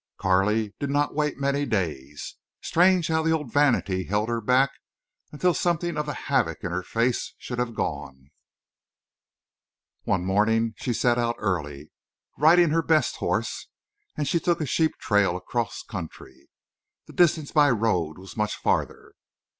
Carley did not wait many days. Strange how the old vanity held her back until something of the havoc in her face should be gone! One morning she set out early, riding her best horse, and she took a sheep trail across country. The distance by road was much farther.